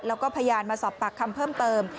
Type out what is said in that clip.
แล้วก็พยานมาสอบปากคำเพิ่มเติม